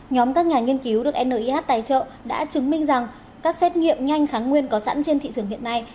nhóm các nhà nghiên cứu được ni tài trợ đã chứng minh rằng các xét nghiệm nhanh kháng nguyên có sẵn trên thị trường hiện nay